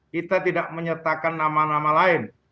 kita tidak menyertakan nama nama lain